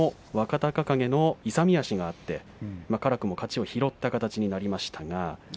若隆景の勇み足があって辛くも勝ちを拾った形になりましたが。